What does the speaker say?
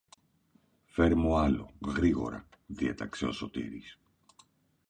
Φέρε μου άλλο, γρήγορα, διέταξε ο Σωτήρης.